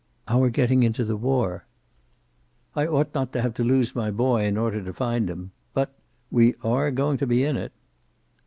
"Our getting into the war." "I ought not to have to lose my boy in order to find him. But we are going to be in it."